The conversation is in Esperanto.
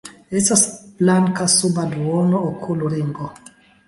Estas blanka suba duona okulringo.